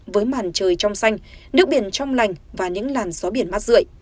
với màn trời trong xanh nước biển trong lành và những làn gió biển mát rượi